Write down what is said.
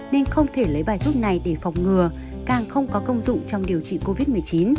nên không thể lấy bài thuốc này để phòng ngừa càng không có công dụng trong điều trị covid một mươi chín